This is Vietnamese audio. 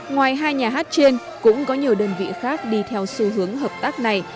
ngoài hai nhà hát trên cũng có nhiều đơn vị khác đi theo xu hướng hợp tác này